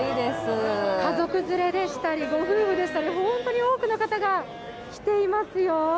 家族連れでしたりご夫婦でしたり本当に多くの方が来ていますよ。